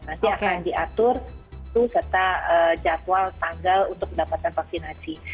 nanti akan diatur serta jadwal tanggal untuk mendapatkan vaksinasi